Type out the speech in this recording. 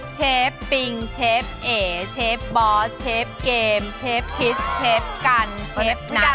ปิงเชฟเอ๋เชฟบอสเชฟเกมเชฟคิสเชฟกันเชฟนะ